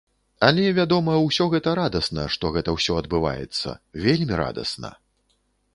Але, вядома, усё гэта радасна, што гэта ўсё адбываецца, вельмі радасна!